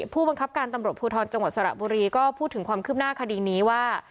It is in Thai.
ผู้บังคับการตำรวจภูทรจังหวัดสระบุรีก็พูดถึงความคืบหน้าคดีนี้ว่า